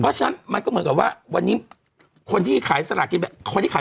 เพราะฉะนั้นมันก็เหมือนกับว่าวันนี้คนที่ขายสลากกินแบบคนที่ขาย